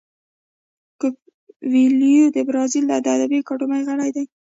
کویلیو د برازیل د ادبي اکاډمۍ غړی دی.